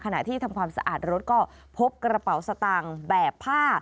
ที่ทำความสะอาดรถก็พบกระเป๋าสตางค์แบบผ้า